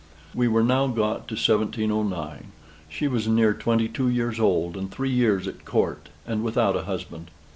We were now got to 1709. She was near twenty two years old, and three years at Court, and without a husband.